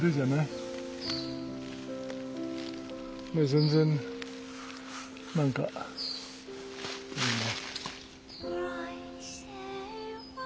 全然何かいいね。